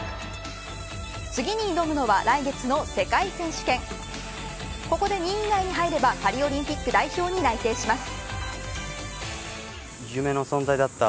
次に挑むのは来月の世界選手権ここで２位以内に入ればパリオリンピック代表に内定します。